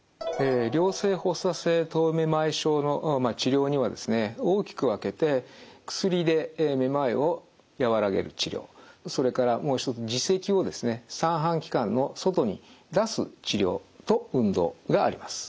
良性発作性頭位めまい症の治療にはですね大きく分けて薬でめまいを和らげる治療それからもう一つ耳石をですね三半規管の外に出す治療と運動があります。